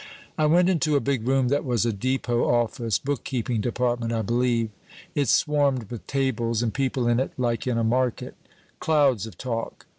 "I went into a big room that was a Depot office bookkeeping department, I believe. It swarmed with tables, and people in it like in a market. Clouds of talk.